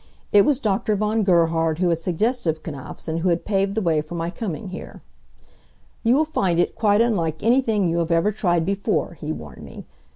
It was Doctor von Gerhard who had suggested Knapf's, and who had paved the way for my coming here. "You will find it quite unlike anything you have ever tried before," he warned me.